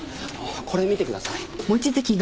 これ見てください。